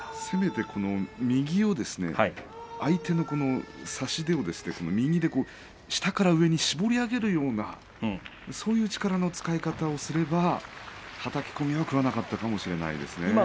攻めて右を相手の差し手を右で下から上に絞り上げるようなそういう力の使い方をすればはたき込みは食わなかったかもしれないですね。